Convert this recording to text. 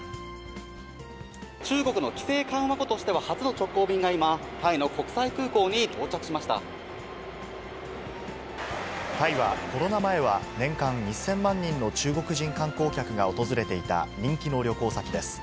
中国の規制緩和後としては初の直行便が今、タイはコロナ前は、年間１０００万人の中国人観光客が訪れていた人気の旅行先です。